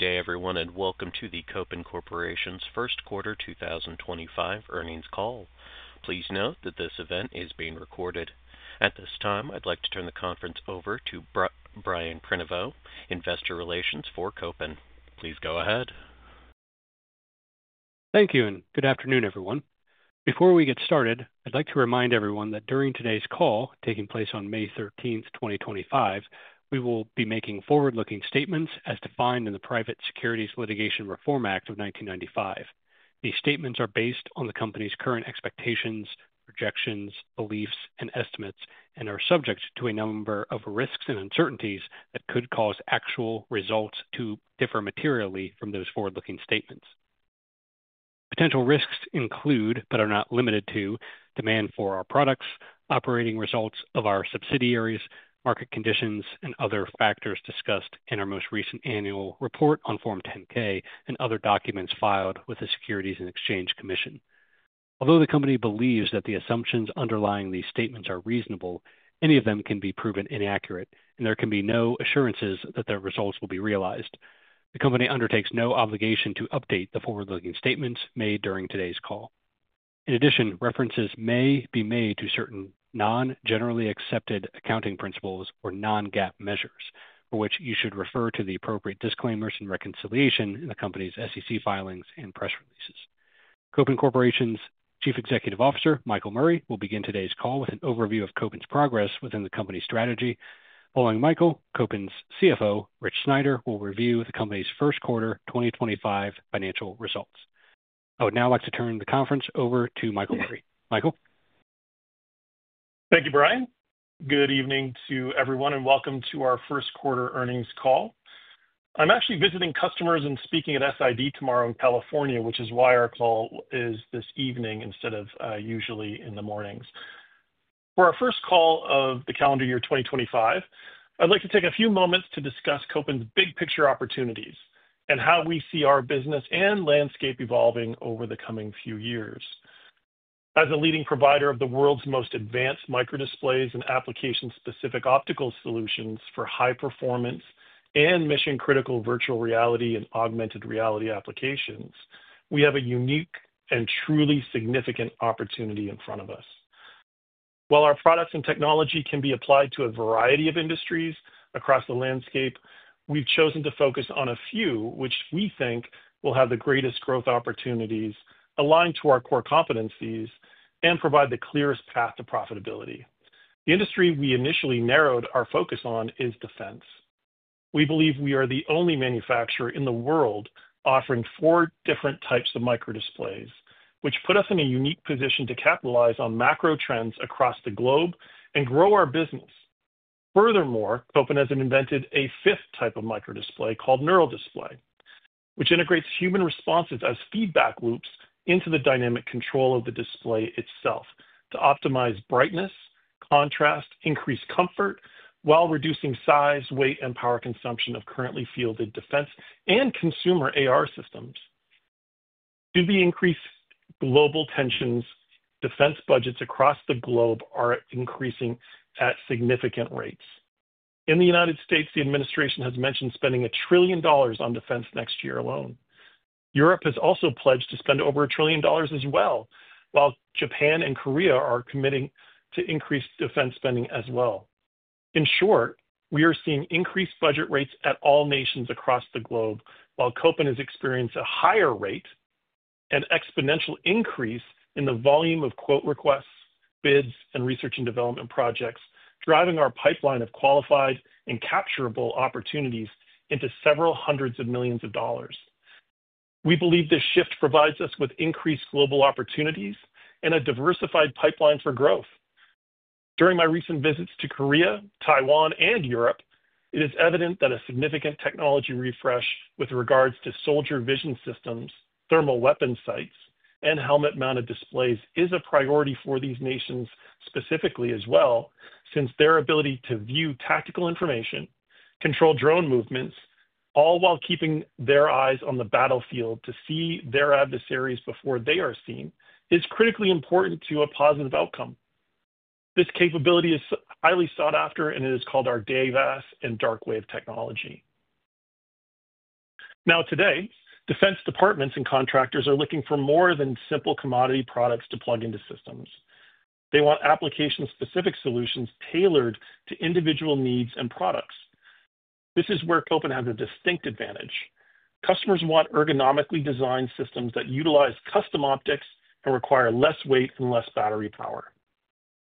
Good day, everyone, and welcome to the Kopin Corporation's first quarter 2025 earnings call. Please note that this event is being recorded. At this time, I'd like to turn the conference over to Brian Prenoveau, Investor Relations for Kopin. Please go ahead. Thank you, and good afternoon, everyone. Before we get started, I'd like to remind everyone that during today's call, taking place on May 13, 2025, we will be making forward-looking statements as defined in the Private Securities Litigation Reform Act of 1995. These statements are based on the company's current expectations, projections, beliefs, and estimates, and are subject to a number of risks and uncertainties that could cause actual results to differ materially from those forward-looking statements. Potential risks include, but are not limited to, demand for our products, operating results of our subsidiaries, market conditions, and other factors discussed in our most recent annual report on Form 10-K and other documents filed with the Securities and Exchange Commission. Although the company believes that the assumptions underlying these statements are reasonable, any of them can be proven inaccurate, and there can be no assurances that their results will be realized. The company undertakes no obligation to update the forward-looking statements made during today's call. In addition, references may be made to certain non-generally accepted accounting principles or non-GAAP measures, for which you should refer to the appropriate disclaimers and reconciliation in the company's SEC filings and press releases. Kopin Corporation's Chief Executive Officer, Michael Murray, will begin today's call with an overview of Kopin's progress within the company's strategy. Following Michael, Kopin's CFO, Rich Sneider, will review the company's first quarter 2025 financial results. I would now like to turn the conference over to Michael Murray. Michael. Thank you, Brian. Good evening to everyone, and welcome to our first quarter earnings call. I'm actually visiting customers and speaking at SID tomorrow in California, which is why our call is this evening instead of usually in the mornings. For our first call of the calendar year 2025, I'd like to take a few moments to discuss Kopin's big-picture opportunities and how we see our business and landscape evolving over the coming few years. As a leading provider of the world's most advanced micro-displays and application-specific optical solutions for high-performance and mission-critical virtual reality and augmented reality applications, we have a unique and truly significant opportunity in front of us. While our products and technology can be applied to a variety of industries across the landscape, we've chosen to focus on a few which we think will have the greatest growth opportunities, align to our core competencies, and provide the clearest path to profitability. The industry we initially narrowed our focus on is defense. We believe we are the only manufacturer in the world offering four different types of micro-displays, which put us in a unique position to capitalize on macro trends across the globe and grow our business. Furthermore, Kopin has invented a fifth type of micro-display called Neural Display, which integrates human responses as feedback loops into the dynamic control of the display itself to optimize brightness, contrast, increase comfort, while reducing size, weight, and power consumption of currently fielded defense and consumer AR systems. Due to the increased global tensions, defense budgets across the globe are increasing at significant rates. In the U.S., the administration has mentioned spending $1 trillion on defense next year alone. Europe has also pledged to spend over $1 trillion as well, while Japan and Korea are committing to increase defense spending as well. In short, we are seeing increased budget rates at all nations across the globe, while Kopin has experienced a higher rate and exponential increase in the volume of quote requests, bids, and research and development projects, driving our pipeline of qualified and capturable opportunities into several hundreds of millions of dollars. We believe this shift provides us with increased global opportunities and a diversified pipeline for growth. During my recent visits to Korea, Taiwan, and Europe, it is evident that a significant technology refresh with regards to soldier vision systems, thermal weapon sights, and helmet-mounted displays is a priority for these nations specifically as well, since their ability to view tactical information, control drone movements, all while keeping their eyes on the battlefield to see their adversaries before they are seen, is critically important to a positive outcome. This capability is highly sought after, and it is called our DAVAS and Dark Wave technology. Now, today, defense departments and contractors are looking for more than simple commodity products to plug into systems. They want application-specific solutions tailored to individual needs and products. This is where Kopin has a distinct advantage. Customers want ergonomically designed systems that utilize custom optics and require less weight and less battery power.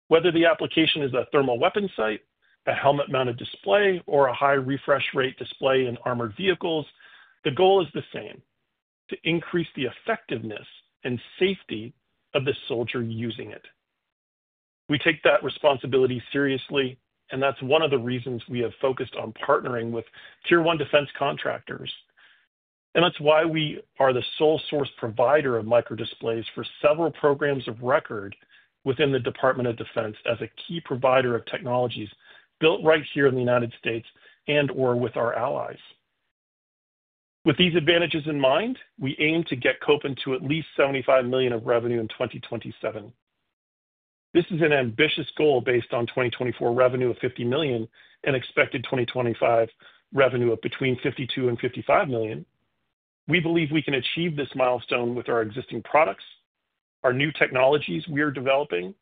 Whether the application is a thermal weapon sight, a helmet-mounted display, or a high refresh rate display in armored vehicles, the goal is the same: to increase the effectiveness and safety of the soldier using it. We take that responsibility seriously, and that is one of the reasons we have focused on partnering with Tier 1 defense contractors. That is why we are the sole source provider of micro-displays for several programs of record within the U.S. Department of Defense as a key provider of technologies built right here in the United States and/or with our allies. With these advantages in mind, we aim to get Kopin to at least $75 million of revenue in 2027. This is an ambitious goal based on 2024 revenue of $50 million and expected 2025 revenue of between $52 million and $55 million. We believe we can achieve this milestone with our existing products, our new technologies we are developing,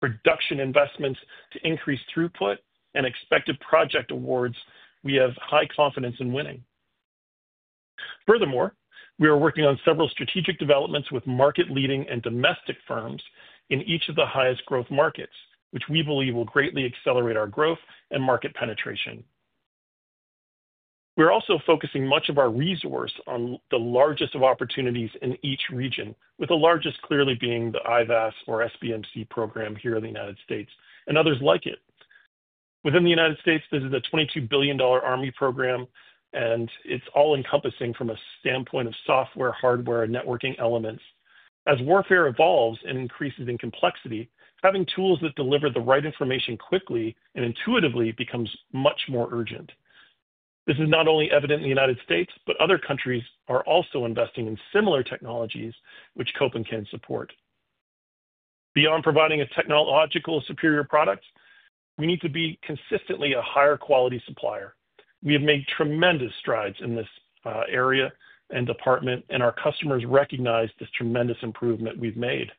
production investments to increase throughput, and expected project awards we have high confidence in winning. Furthermore, we are working on several strategic developments with market-leading and domestic firms in each of the highest growth markets, which we believe will greatly accelerate our growth and market penetration. We're also focusing much of our resource on the largest of opportunities in each region, with the largest clearly being the IVAS or SBMC program here in the United States and others like it. Within the United States, this is a $22 billion Army program, and it's all-encompassing from a standpoint of software, hardware, and networking elements. As warfare evolves and increases in complexity, having tools that deliver the right information quickly and intuitively becomes much more urgent. This is not only evident in the United States, but other countries are also investing in similar technologies which Kopin can support. Beyond providing a technologically superior product, we need to be consistently a higher quality supplier. We have made tremendous strides in this area and department, and our customers recognize this tremendous improvement we've made.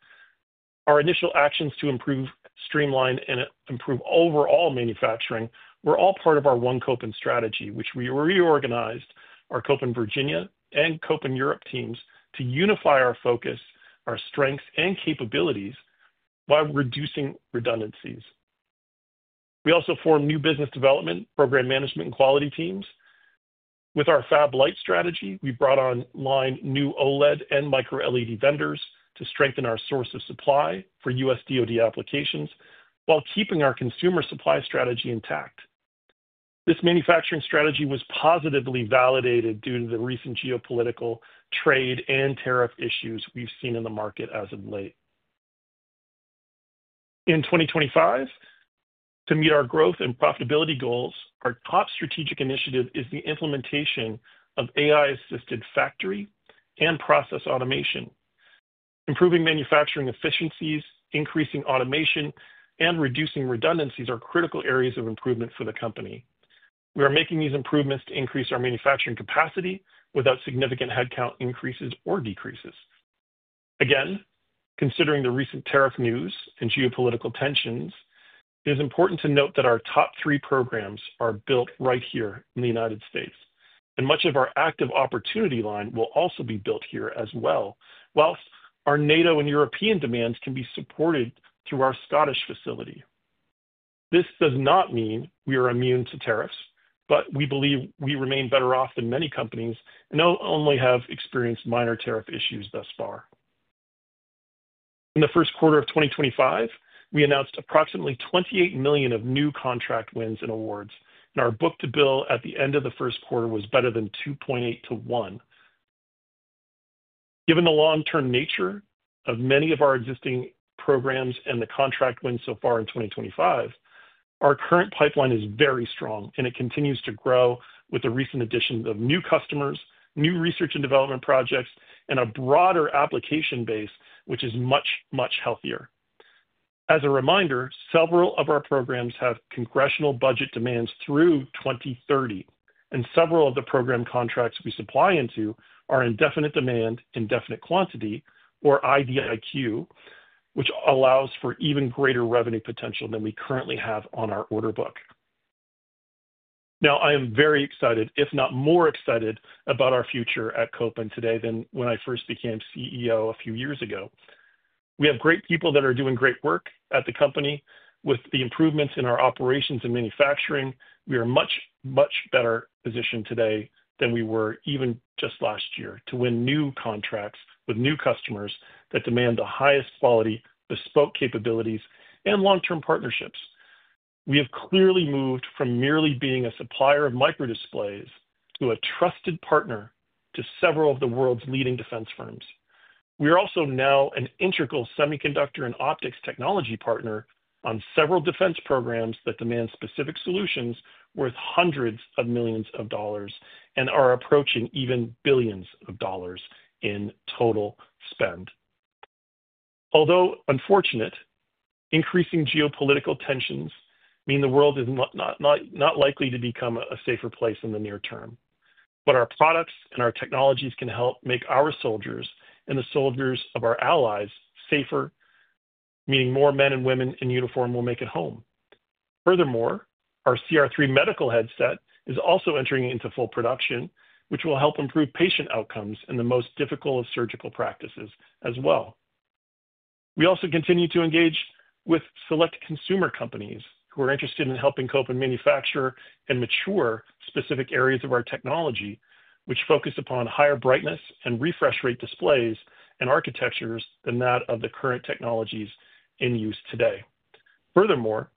Our initial actions to improve, streamline, and improve overall manufacturing were all part of our One Kopin strategy, which we reorganized our Kopin Virginia and Kopin Europe teams to unify our focus, our strengths, and capabilities while reducing redundancies. We also formed new business development, program management, and quality teams. With our FabLite strategy, we brought online new OLED and micro-LED vendors to strengthen our source of supply for U.S. DOD applications while keeping our consumer supply strategy intact. This manufacturing strategy was positively validated due to the recent geopolitical trade and tariff issues we've seen in the market as of late. In 2025, to meet our growth and profitability goals, our top strategic initiative is the implementation of AI-assisted factory and process automation. Improving manufacturing efficiencies, increasing automation, and reducing redundancies are critical areas of improvement for the company. We are making these improvements to increase our manufacturing capacity without significant headcount increases or decreases. Again, considering the recent tariff news and geopolitical tensions, it is important to note that our top three programs are built right here in the United States, and much of our active opportunity line will also be built here as well, whilst our NATO and European demands can be supported through our Scottish facility. This does not mean we are immune to tariffs, but we believe we remain better off than many companies and only have experienced minor tariff issues thus far. In the first quarter of 2025, we announced approximately $28 million of new contract wins and awards, and our book-to-bill at the end of the first quarter was better than 2.8-1. Given the long-term nature of many of our existing programs and the contract wins so far in 2025, our current pipeline is very strong, and it continues to grow with the recent addition of new customers, new research and development projects, and a broader application base, which is much, much healthier. As a reminder, several of our programs have congressional budget demands through 2030, and several of the program contracts we supply into are in definite demand, in definite quantity, or IDIQ, which allows for even greater revenue potential than we currently have on our order book. Now, I am very excited, if not more excited, about our future at Kopin today than when I first became CEO a few years ago. We have great people that are doing great work at the company. With the improvements in our operations and manufacturing, we are much, much better positioned today than we were even just last year to win new contracts with new customers that demand the highest quality, bespoke capabilities, and long-term partnerships. We have clearly moved from merely being a supplier of micro-displays to a trusted partner to several of the world's leading defense firms. We are also now an integral semiconductor and optics technology partner on several defense programs that demand specific solutions worth hundreds of millions of dollars and are approaching even billions of dollars in total spend. Although unfortunate, increasing geopolitical tensions mean the world is not likely to become a safer place in the near term, but our products and our technologies can help make our soldiers and the soldiers of our allies safer, meaning more men and women in uniform will make it home. Furthermore, our CR3 medical headset is also entering into full production, which will help improve patient outcomes in the most difficult of surgical practices as well. We also continue to engage with select consumer companies who are interested in helping Kopin manufacture and mature specific areas of our technology, which focus upon higher brightness and refresh rate displays and architectures than that of the current technologies in use today. Furthermore,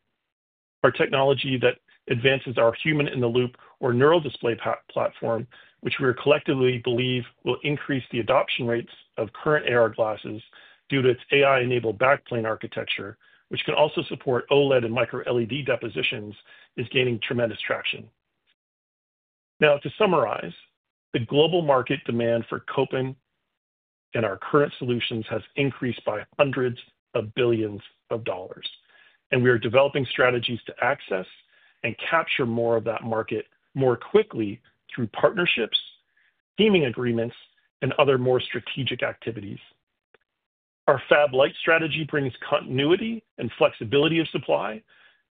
our technology that advances our human-in-the-loop or Neural Display platform, which we collectively believe will increase the adoption rates of current AR glasses due to its AI-enabled backplane architecture, which can also support OLED and micro-LED depositions, is gaining tremendous traction. Now, to summarize, the global market demand for Kopin and our current solutions has increased by hundreds of billions of dollars, and we are developing strategies to access and capture more of that market more quickly through partnerships, scheming agreements, and other more strategic activities. Our FabLite strategy brings continuity and flexibility of supply,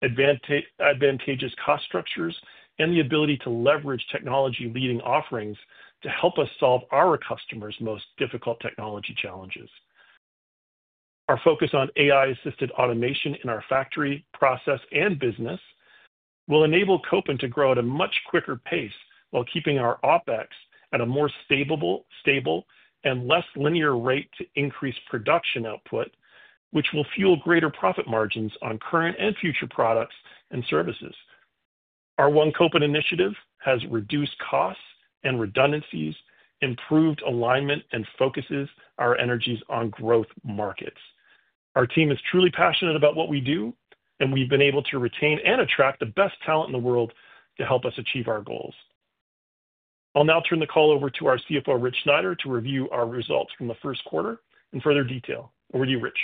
advantageous cost structures, and the ability to leverage technology-leading offerings to help us solve our customers' most difficult technology challenges. Our focus on AI-assisted automation in our factory, process, and business will enable Kopin to grow at a much quicker pace while keeping our OpEx at a more stable and less linear rate to increase production output, which will fuel greater profit margins on current and future products and services. Our One Kopin initiative has reduced costs and redundancies, improved alignment, and focuses our energies on growth markets. Our team is truly passionate about what we do, and we've been able to retain and attract the best talent in the world to help us achieve our goals. I'll now turn the call over to our CFO, Rich Sneider, to review our results from the first quarter in further detail. Over to you, Rich.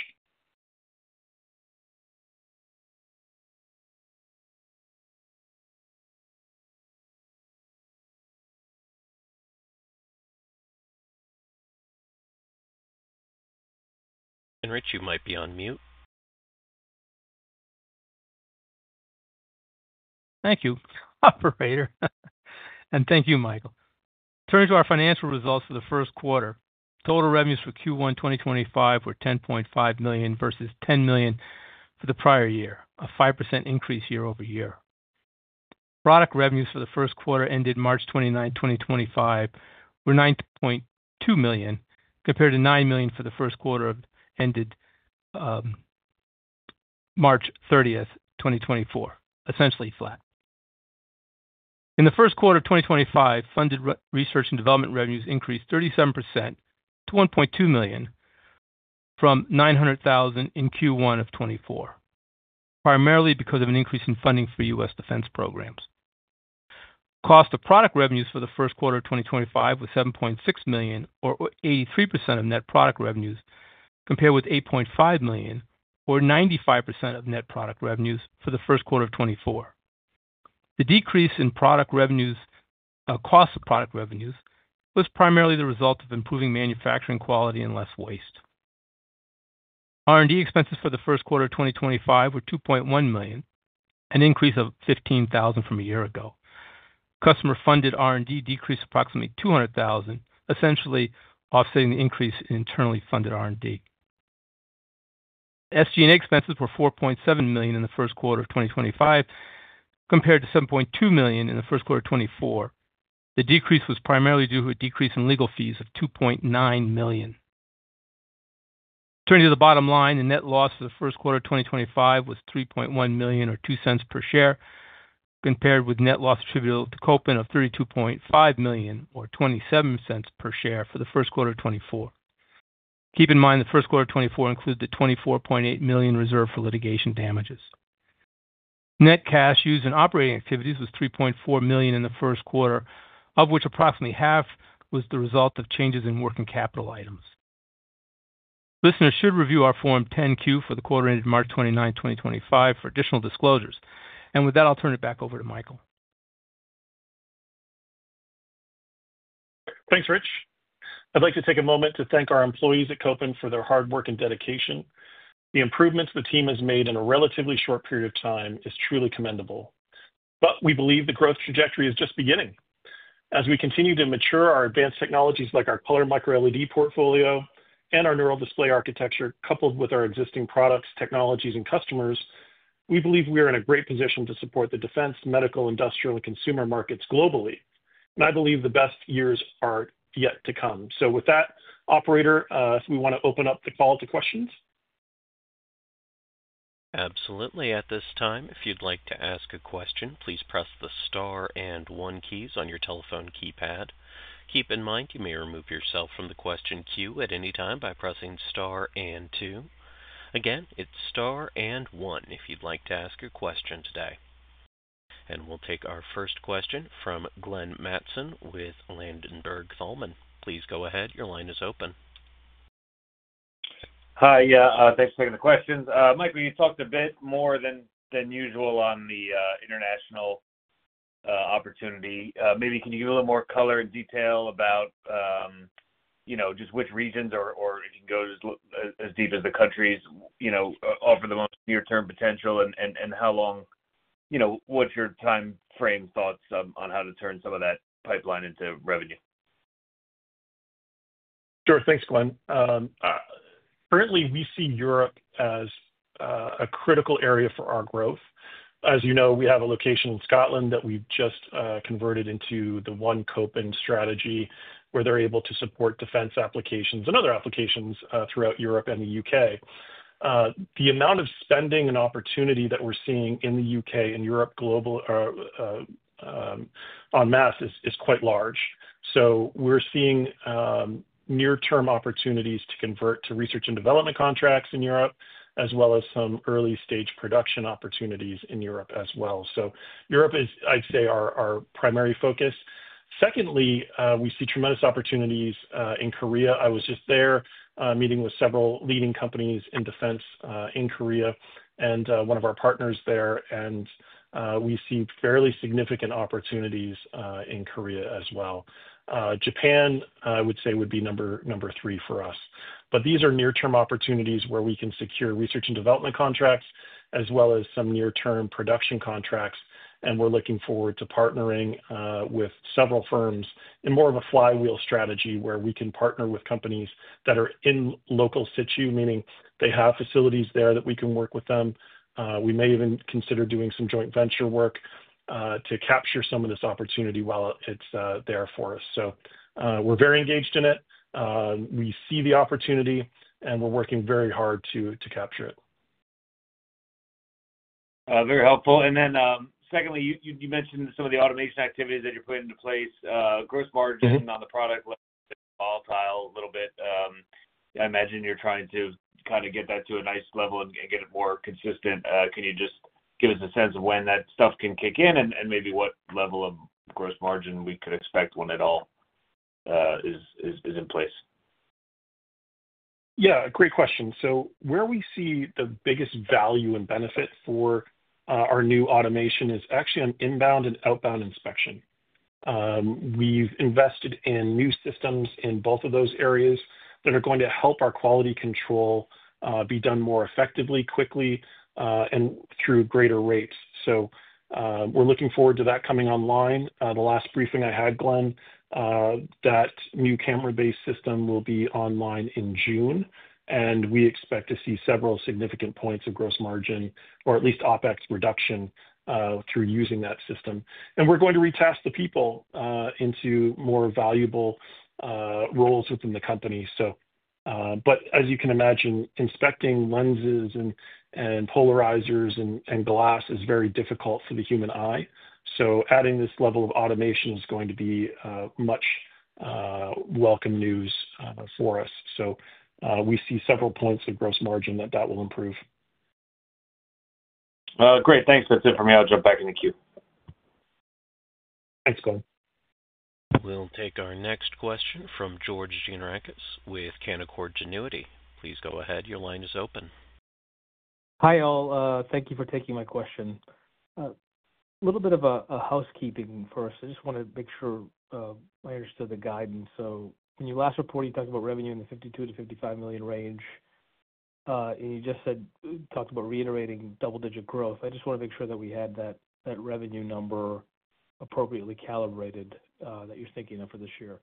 Rich, you might be on mute. Thank you, Operator. Thank you, Michael. Turning to our financial results for the first quarter, total revenues for Q1 2025 were $10.5 million versus $10 million for the prior year, a 5% increase year over year. Product revenues for the first quarter ended March 29, 2025, were $9.2 million, compared to $9 million for the first quarter ended March 30, 2024, essentially flat. In the first quarter of 2025, funded research and development revenues increased 37% to $1.2 million from $900,000 in Q1 of 2024, primarily because of an increase in funding for U.S. defense programs. Cost of product revenues for the first quarter of 2025 was $7.6 million, or 83% of net product revenues, compared with $8.5 million, or 95% of net product revenues for the first quarter of 2024. The decrease in cost of product revenues was primarily the result of improving manufacturing quality and less waste. R&D expenses for the first quarter of 2025 were $2.1 million, an increase of $15,000 from a year ago. Customer-funded R&D decreased approximately $200,000, essentially offsetting the increase in internally funded R&D. SG&A expenses were $4.7 million in the first quarter of 2025, compared to $7.2 million in the first quarter of 2024. The decrease was primarily due to a decrease in legal fees of $2.9 million. Turning to the bottom line, the net loss for the first quarter of 2025 was $3.1 million, or $0.02 per share, compared with net loss attributable to Kopin of $32.5 million, or $0.27 per share for the first quarter of 2024. Keep in mind the first quarter of 2024 included the $24.8 million reserve for litigation damages. Net cash used in operating activities was $3.4 million in the first quarter, of which approximately half was the result of changes in working capital items. Listeners should review our Form 10Q for the quarter ended March 29, 2025, for additional disclosures. With that, I'll turn it back over to Michael. Thanks, Rich. I would like to take a moment to thank our employees at Kopin for their hard work and dedication. The improvements the team has made in a relatively short period of time are truly commendable. We believe the growth trajectory is just beginning. As we continue to mature our advanced technologies like our color micro-LED portfolio and our neural display architecture, coupled with our existing products, technologies, and customers, we believe we are in a great position to support the defense, medical, industrial, and consumer markets globally. I believe the best years are yet to come. With that, Operator, we want to open up the call to questions. Absolutely. At this time, if you'd like to ask a question, please press the star and one keys on your telephone keypad. Keep in mind you may remove yourself from the question queue at any time by pressing star and two. Again, it's star and one if you'd like to ask a question today. We'll take our first question from Glenn Mattson with Ladenburg Thalmann. Please go ahead. Your line is open. Hi. Yeah, thanks for taking the questions. Michael, you talked a bit more than usual on the international opportunity. Maybe can you give a little more color and detail about just which regions, or if you can go as deep as the countries, offer the most near-term potential, and how long what's your time frame thoughts on how to turn some of that pipeline into revenue? Sure. Thanks, Glenn. Currently, we see Europe as a critical area for our growth. As you know, we have a location in Scotland that we've just converted into the One Kopin strategy, where they're able to support defense applications and other applications throughout Europe and the U.K. The amount of spending and opportunity that we're seeing in the U.K. and Europe global on mass is quite large. We are seeing near-term opportunities to convert to research and development contracts in Europe, as well as some early-stage production opportunities in Europe as well. Europe is, I'd say, our primary focus. Secondly, we see tremendous opportunities in Korea. I was just there meeting with several leading companies in defense in Korea and one of our partners there, and we see fairly significant opportunities in Korea as well. Japan, I would say, would be number three for us. These are near-term opportunities where we can secure research and development contracts, as well as some near-term production contracts. We are looking forward to partnering with several firms in more of a flywheel strategy, where we can partner with companies that are in local situ, meaning they have facilities there that we can work with them. We may even consider doing some joint venture work to capture some of this opportunity while it is there for us. We are very engaged in it. We see the opportunity, and we are working very hard to capture it. Very helpful. You mentioned some of the automation activities that you're putting into place. Gross margin on the product looks volatile a little bit. I imagine you're trying to kind of get that to a nice level and get it more consistent. Can you just give us a sense of when that stuff can kick in and maybe what level of gross margin we could expect when it all is in place? Yeah, great question. Where we see the biggest value and benefit for our new automation is actually on inbound and outbound inspection. We've invested in new systems in both of those areas that are going to help our quality control be done more effectively, quickly, and through greater rates. We're looking forward to that coming online. The last briefing I had, Glenn, that new camera-based system will be online in June, and we expect to see several significant points of gross margin, or at least OpEx reduction, through using that system. We're going to retask the people into more valuable roles within the company. As you can imagine, inspecting lenses and polarizers and glass is very difficult for the human eye. Adding this level of automation is going to be much welcome news for us. We see several points of gross margin that that will improve. Great. Thanks. That's it from me. I'll jump back in the queue. Thanks, Glenn. We'll take our next question from George Gianarikas with Canaccord Genuity. Please go ahead. Your line is open. Hi all. Thank you for taking my question. A little bit of housekeeping first.I just want to make sure I understood the guidance. In your last report, you talked about revenue in the $52 million-$55 million range, and you just talked about reiterating double-digit growth. I just want to make sure that we had that revenue number appropriately calibrated that you're thinking of for this year.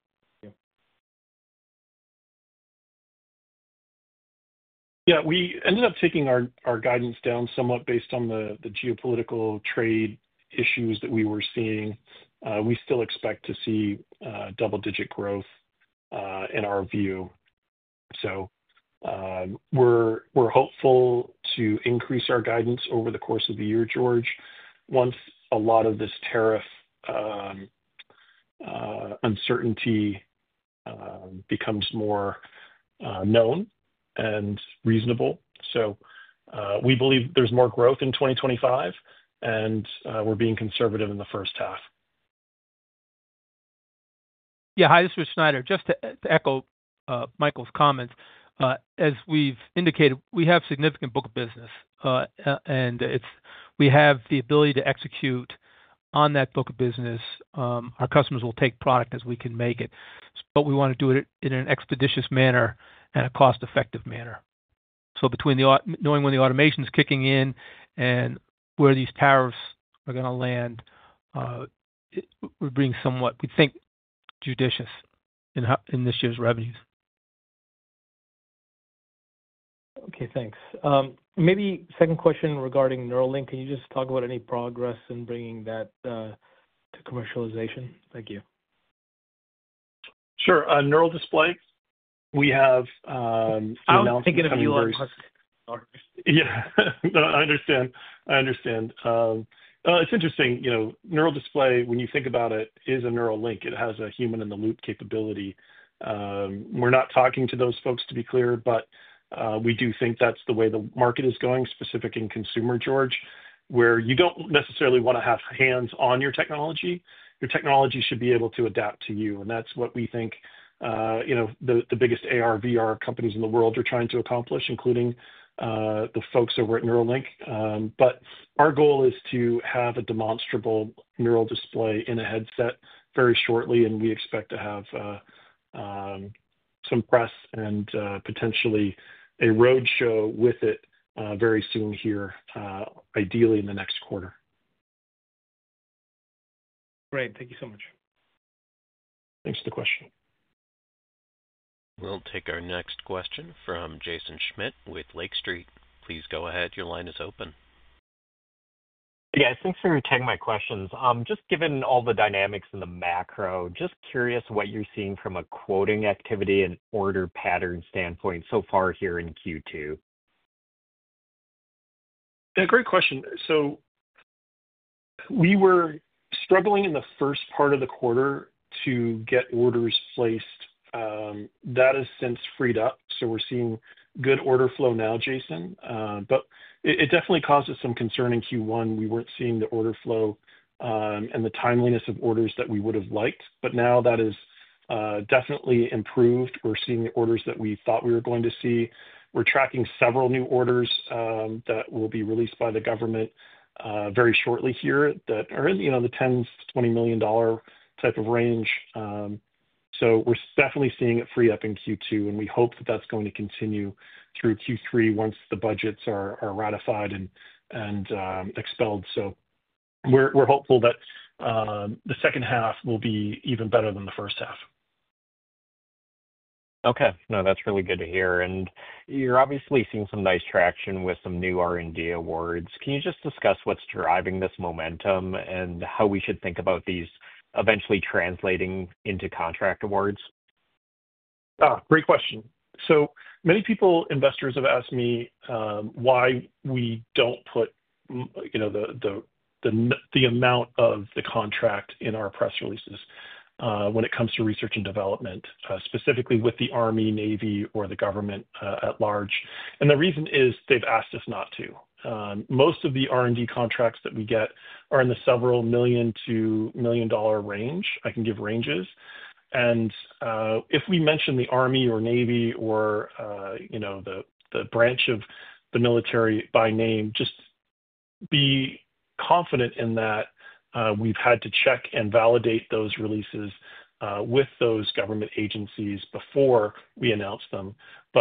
Yeah. We ended up taking our guidance down somewhat based on the geopolitical trade issues that we were seeing. We still expect to see double-digit growth in our view. We are hopeful to increase our guidance over the course of the year, George, once a lot of this tariff uncertainty becomes more known and reasonable. We believe there is more growth in 2025, and we are being conservative in the first half. Yeah. Hi, this is Rich Sneider. Just to echo Michael's comments, as we've indicated, we have significant book of business, and we have the ability to execute on that book of business. Our customers will take product as we can make it, but we want to do it in an expeditious manner and a cost-effective manner. Knowing when the automation is kicking in and where these tariffs are going to land would be somewhat, we think, judicious in this year's revenues. Okay. Thanks. Maybe second question regarding Neuralink. Can you just talk about any progress in bringing that to commercialization? Thank you. Sure. Neural Display. We have announced a very— I was thinking of you on the question. Sorry. Yeah. No, I understand. I understand. It's interesting. Neural Display, when you think about it, is a Neuralink. It has a human-in-the-loop capability. We're not talking to those folks, to be clear, but we do think that's the way the market is going, specific in consumer, George, where you don't necessarily want to have hands on your technology. Your technology should be able to adapt to you. That's what we think the biggest AR/VR companies in the world are trying to accomplish, including the folks over at Neuralink. Our goal is to have a demonstrable Neural Display in a headset very shortly, and we expect to have some press and potentially a roadshow with it very soon here, ideally in the next quarter. Great. Thank you so much. Thanks for the question. We'll take our next question from Jaeson Schmidt with Lake Street. Please go ahead. Your line is open. Yeah. Thanks for taking my questions. Just given all the dynamics and the macro, just curious what you're seeing from a quoting activity and order pattern standpoint so far here in Q2. Yeah. Great question. We were struggling in the first part of the quarter to get orders placed. That has since freed up. We're seeing good order flow now, Jason. It definitely caused us some concern in Q1. We weren't seeing the order flow and the timeliness of orders that we would have liked. Now that has definitely improved. We're seeing the orders that we thought we were going to see. We're tracking several new orders that will be released by the government very shortly here that are in the $10 million-$20 million type of range. We're definitely seeing it free up in Q2, and we hope that that's going to continue through Q3 once the budgets are ratified and expelled. We're hopeful that the second half will be even better than the first half. Okay. No, that's really good to hear. You're obviously seeing some nice traction with some new R&D awards. Can you just discuss what's driving this momentum and how we should think about these eventually translating into contract awards? Great question. Many people, investors, have asked me why we don't put the amount of the contract in our press releases when it comes to research and development, specifically with the Army, Navy, or the government at large. The reason is they've asked us not to. Most of the R&D contracts that we get are in the several million to million dollar range. I can give ranges. If we mention the Army or Navy or the branch of the military by name, just be confident in that we've had to check and validate those releases with those government agencies before we announce them.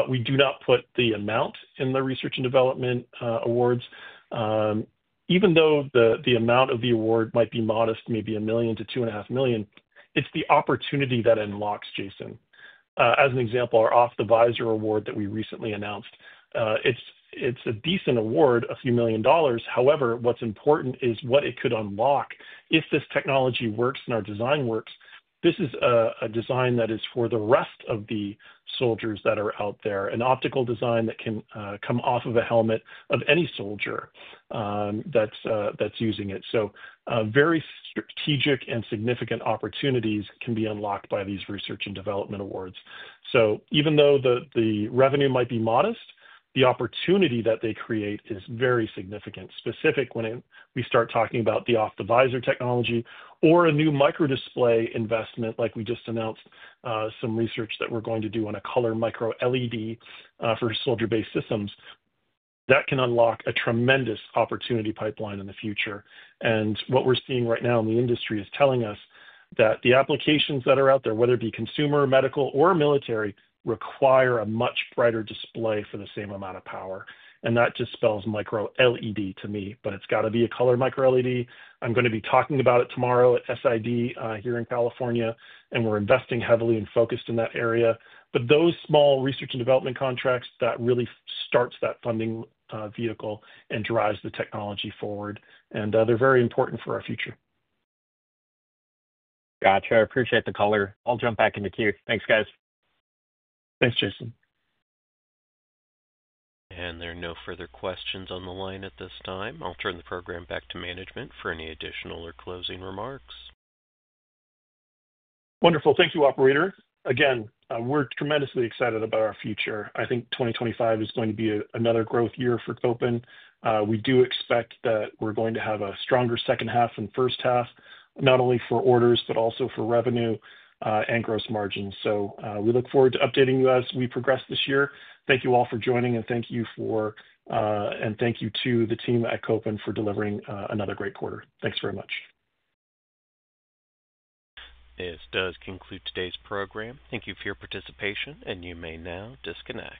We do not put the amount in the research and development awards. Even though the amount of the award might be modest, maybe $1 million to $2.5 million, it's the opportunity that unlocks, Jason. As an example, our Off the Visor award that we recently announced, it's a decent award, a few million dollars. However, what's important is what it could unlock. If this technology works and our design works, this is a design that is for the rest of the soldiers that are out there, an optical design that can come off of a helmet of any soldier that's using it. Very strategic and significant opportunities can be unlocked by these research and development awards. Even though the revenue might be modest, the opportunity that they create is very significant, specific when we start talking about the Off the Visor technology or a new micro-display investment like we just announced some research that we're going to do on a color micro-LED for soldier-based systems. That can unlock a tremendous opportunity pipeline in the future. What we're seeing right now in the industry is telling us that the applications that are out there, whether it be consumer, medical, or military, require a much brighter display for the same amount of power. That just spells micro-LED to me, but it's got to be a color micro-LED. I'm going to be talking about it tomorrow at SID here in California, and we're investing heavily and focused in that area. But those small research and development contracts, that really starts that funding vehicle and drives the technology forward. They are very important for our future. Gotcha. I appreciate the color. I'll jump back in the queue. Thanks, guys. Thanks, Jaeson. There are no further questions on the line at this time. I'll turn the program back to management for any additional or closing remarks. Wonderful. Thank you, Operator. Again, we're tremendously excited about our future. I think 2025 is going to be another growth year for Kopin. We do expect that we're going to have a stronger second half and first half, not only for orders but also for revenue and gross margins. We look forward to updating you as we progress this year. Thank you all for joining, and thank you to the team at Kopin for delivering another great quarter. Thanks very much. This does conclude today's program. Thank you for your participation, and you may now disconnect.